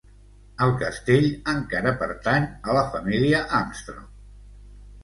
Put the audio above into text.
El castell encara pertany a la família Armstrong.